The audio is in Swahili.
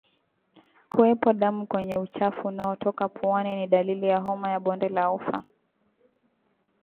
Kuwepo damu kwenye uchafu unaotoka puani ni dalili ya homa ya bonde la ufa